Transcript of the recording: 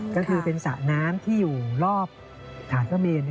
ก็คือเป็นสระน้ำที่อยู่รอบฐานพระเมน